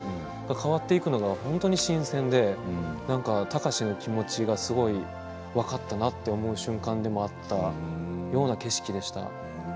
表情というか変わっていくのが新鮮で貴司の気持ちがすごく分かったなと思う瞬間でもあった景色でした。